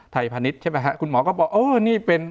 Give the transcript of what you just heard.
ใครพันิชย์ใช่ไหมครับคุณหมอก็บอกโอ้นี่เป็น